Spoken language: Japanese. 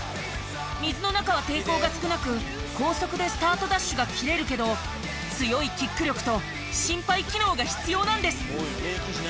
水の中は抵抗が少なく高速でスタートダッシュが切れるけど強いキック力と心肺機能が必要なんです。